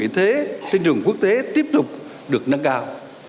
vị thế sinh trường quốc tế tiếp tục được nâng cao